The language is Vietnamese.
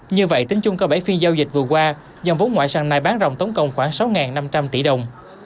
như vậy tính chung các bảy phiên giao dịch vừa qua dòng vốn ngoại sàn này bán rộng tổng cộng khoảng sáu năm trăm linh tỷ đồng